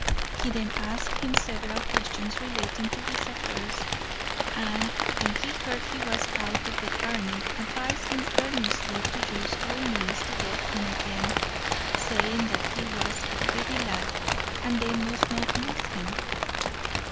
He then asked him several questions relating to his affairs; and, when he heard he was out of the army, advised him earnestly to use all means to get in again, saying that he was a pretty lad, and they must not lose him.